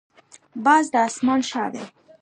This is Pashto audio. باز د اسمان شاه دی